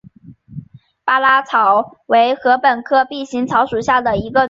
巴拉草为禾本科臂形草属下的一个种。